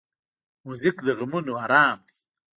موزیک د غمونو آرام دی.